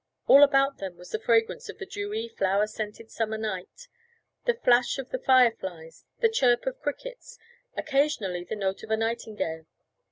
All about them was the fragrance of the dewy, flower scented summer night, the flash of fireflies, the chirp of crickets, occasionally the note of a nightingale.